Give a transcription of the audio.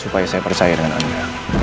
supaya saya percaya dengan anda